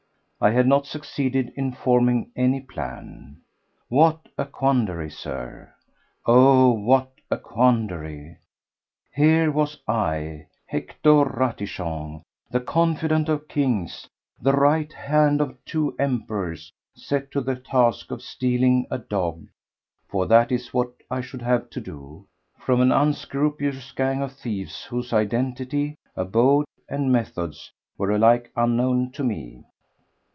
I had not succeeded in forming any plan. What a quandary, Sir! Oh! what a quandary! Here was I, Hector Ratichon, the confidant of kings, the right hand of two emperors, set to the task of stealing a dog—for that is what I should have to do—from an unscrupulous gang of thieves whose identity, abode and methods were alike unknown to me.